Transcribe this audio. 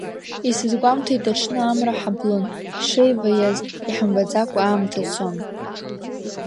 Исызгәамҭеит аҽны амра ҳаблын, ҳшеиваиаз иҳамбаӡакәа аамҭа цон.